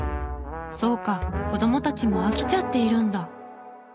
そうか子供たちも飽きちゃっているんだ。